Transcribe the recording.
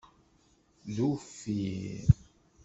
D uffir.